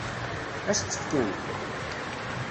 Ad s-tt-fkent?